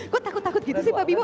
kok takut takut gitu sih pak bima